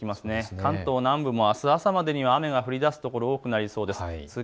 関東南部もあしたの朝まで雨が降りだすところ多くなりそうです。